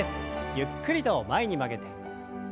ゆっくりと前に曲げて。